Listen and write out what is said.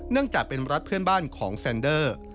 จากเป็นรัฐเพื่อนบ้านของแซนเดอร์